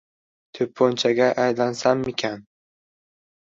To‘pponchaga aylansammikan?!